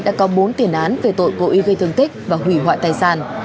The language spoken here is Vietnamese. đã có bốn tiền án về tội cố ý gây thương tích và hủy hoại tài sản